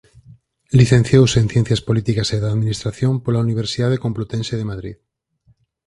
Licenciouse en Ciencias Políticas e da Administración pola Universidade Complutense de Madrid.